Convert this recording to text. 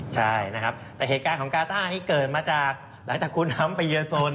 ใช่นะครับแต่เหตุการณ์ของการ์ต้าเหตุการณ์ที่เกิดแล้วก้อจากคุณทำไปเยียร์โซน